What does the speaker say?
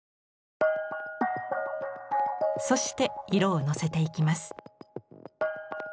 そして色をのせていきます。